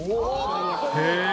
へえ。